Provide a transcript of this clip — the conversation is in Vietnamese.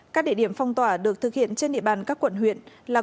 các địa điểm phong tỏa được thực hiện trên địa bàn các quận huyện là